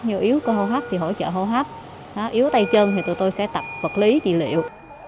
nếu yếu cơ hô hấp thì hỗ trợ hô hấp yếu tay chân thì tụi tôi sẽ tập vật lý trị liệu